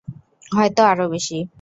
হয়তো আরো বেশি।